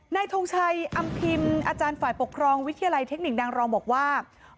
ทงชัยอำพิมพ์อาจารย์ฝ่ายปกครองวิทยาลัยเทคนิคนางรองบอกว่า